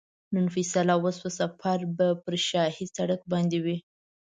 نن فیصله وشوه سفر به پر شاهي سړک باندې وي.